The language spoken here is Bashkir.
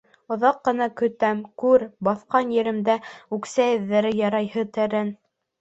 Оҙаҡ ҡына көтәм, күр, баҫҡан еремдә үксә эҙҙәре ярайһы тәрән.